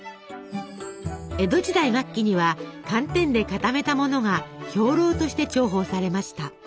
江戸時代末期には寒天で固めたものが兵糧として重宝されました。